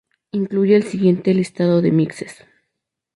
Incluye el siguiente listado de mixes.